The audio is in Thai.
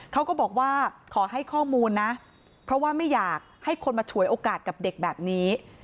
เขาก็บอกว่าขอให้ข้อมูลนะเพราะว่าไม่อยากให้คนมาฉวยโอกาสกับเด็กแบบนี้